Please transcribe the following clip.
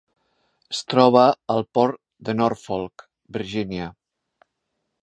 Es troba al port de Norfolk, Virgínia.